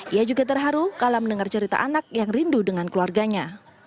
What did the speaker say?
ia juga terharu kalau mendengar cerita anak yang rindu dengan keluarganya